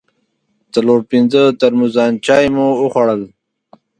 څلور پنځه ترموزان چای مو وخوړل.